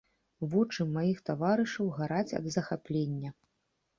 Вочы маіх таварышаў гараць ад захаплення.